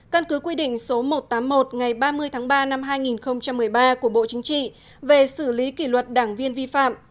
căn cứ quy định số một trăm tám mươi một ngày ba mươi tháng ba năm hai nghìn một mươi ba của bộ chính trị về xử lý kỷ luật đảng viên vi phạm